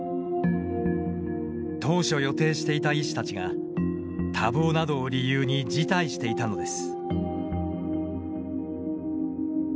当初予定していた医師たちが多忙などを理由に辞退していたのです。